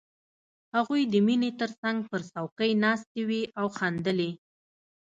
هغوی د مينې تر څنګ پر څوکۍ ناستې وې او خندلې